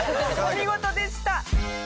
お見事でした。